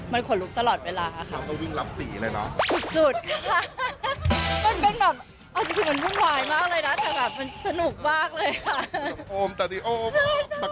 มันขนลุกตลอดเวลาค่ะ